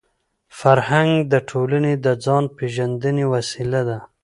فرهنګ د ټولني د ځان پېژندني وسیله ده.